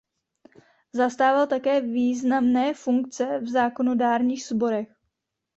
Zastával také významné funkce v zákonodárných sborech.